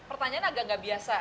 pertanyaan agak nggak biasa